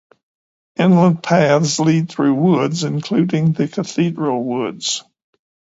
Inland paths lead through woods, including the Cathedral Woods.